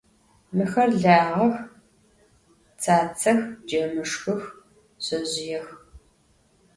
Mıxer lağex, tsatsex, cemışşxıx, şezjıêx.